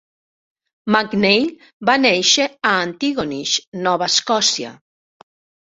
MacNeil va néixer a Antigonish, Nova Escòcia.